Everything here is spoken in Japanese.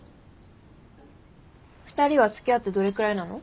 ２人はつきあってどれくらいなの？